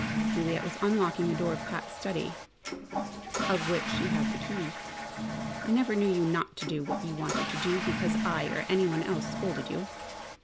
Juliet was unlocking the door of Pat's study, of which she had the key. "I never knew you not to do what you wanted to do because I or any one else scolded you!"